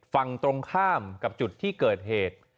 ฝั่งตรงข้ามกับจุดที่เกิดเหตุ